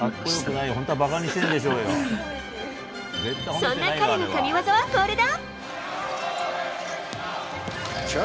そんな彼の神技はこれだ。